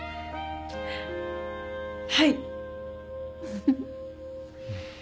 はい。